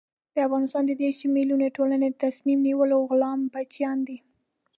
د افغانستان د دېرش ملیوني ټولنې د تصمیم نیولو غلام بچیان دي.